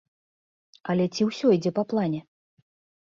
Але ці ўсё ідзе па плане?